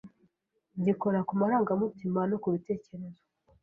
gikora ku marangamutima no kubitekerezo